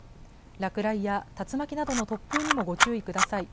落雷や竜巻などの突風にもご注意ください。